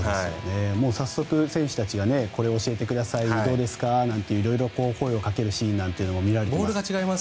早速、選手たちがこれを教えてくださいどうですか？なんて色々、声をかけるシーンなんて見られています。